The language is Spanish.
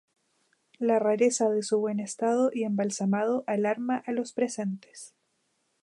La rareza de su buen estado y embalsamado alarma a los presentes.